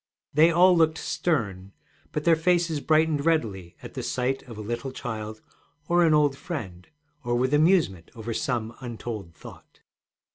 They all looked stern, but their faces brightened readily at sight of a little child or an old friend, or with amusement over some untold thought.